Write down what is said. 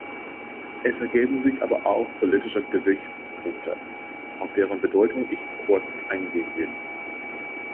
Es ergeben sich aber auch politische Gesichtspunkte, auf deren Bedeutung ich kurz eingehen will.